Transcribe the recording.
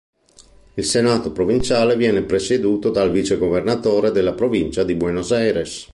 Il Senato provinciale viene presieduto dal Vicegovernatore della Provincia di Buenos Aires.